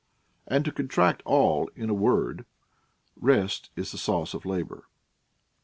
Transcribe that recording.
And, to contract all in a word, rest is the sauce of labor.